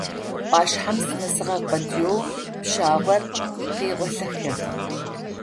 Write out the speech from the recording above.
Ӏуашъхьэм сынэсыгъэ къодыеу пщагъор къегъолъэхыгъ.